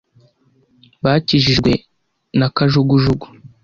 Bakijijwe na kajugujugu.